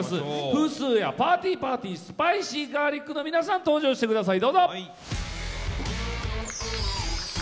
フースーヤパーティーパーティースパイシーガーリックの皆さん登場してください！